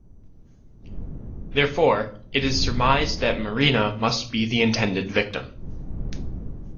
Therefore, it is surmised that Marina must be the intended victim.